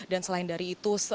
dan selain dari itu